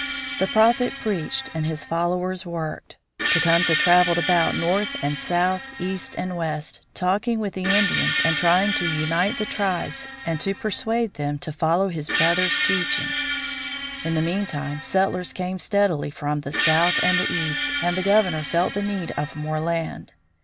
The Prophet preached and his followers worked. Tecumseh traveled about north and south, east and west, talking with the Indians and trying to unite the tribes and to persuade them to follow his brother's teachings. In the meantime, settlers came steadily from the south and the east, and the governor felt the need of more land.